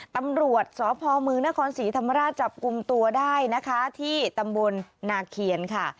ตำรวจสพมนศธรรมราชจับกุมตัวได้นะคะที่ตำบลนาเขียนค่ะ